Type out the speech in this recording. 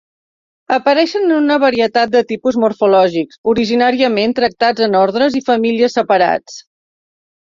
Apareixen en una varietat de tipus morfològics, originàriament tractats en ordres i famílies separats.